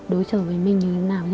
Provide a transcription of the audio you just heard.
đối xử với mình như thế nào